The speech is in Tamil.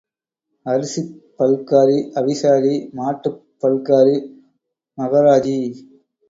அரிசிப் பல்காரி அவிசாரி, மாட்டுப் பல்காரி மகராஜி.